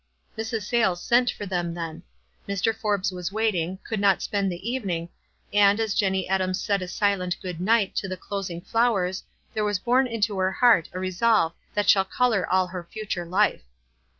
Mrs. Sayles sent for them then. Mr. Forbes was waiting, could not spend the evening, and as Jenny Adams said a silent good night to the closing flowers there was born into her heart a resolve that shall color all her future life.